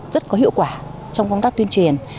rất có hiệu quả trong công tác tuyên truyền